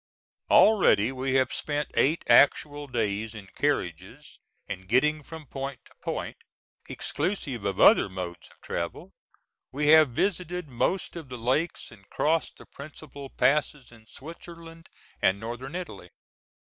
Already we have spent eight actual days in carriages in getting from point to point, exclusive of other modes of travel. We have visited most of the lakes and crossed the principal passes in Switzerland and Northern Italy.